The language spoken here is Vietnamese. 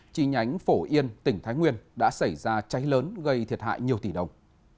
chi nhánh phổ yên tỉnh thái nguyên đã xảy ra cháy lớn gây thiệt hại nhiều tỷ đồng